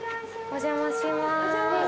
お邪魔します。